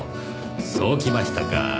そうきましたか。